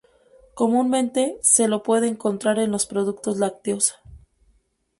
Comúnmente, se lo puede encontrar en los productos lácteos.